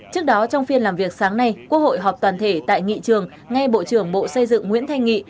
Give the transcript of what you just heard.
trước đó trong phiên làm việc sáng nay quốc hội họp toàn thể tại nghị trường nghe bộ trưởng bộ xây dựng nguyễn thanh nghị